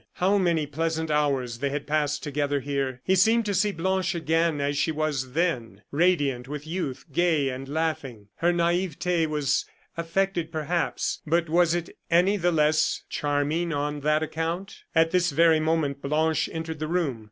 How many pleasant hours they had passed together here! He seemed to see Blanche again, as she was then, radiant with youth, gay and laughing. Her naivete was affected, perhaps, but was it any the less charming on that account? At this very moment Blanche entered the room.